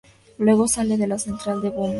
Luego sale de la central de bombas.